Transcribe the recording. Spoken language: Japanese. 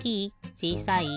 ちいさい？